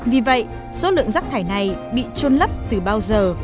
vì vậy số lượng rác thải này bị trôn lấp từ bao giờ